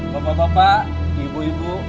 bapak bapak ibu ibu